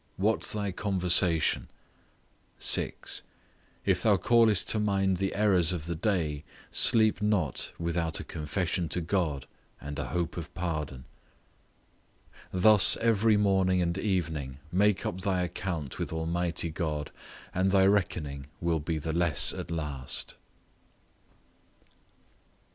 What thy conversation; 6. If thou callest to mind the errors of the day, sleep not without a confession to God, and a hope of pardon. Thus, every morning and evening make up thy account with Almighty God, and thy reckoning will be the less at last.